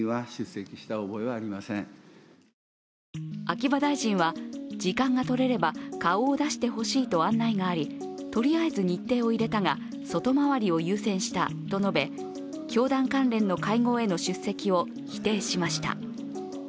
秋葉大臣は、時間が取れれば顔を出してほしいと案内がありとりあえず日程を入れたが外回りを優先したと述べ教団関連の会合への出席を否定しました。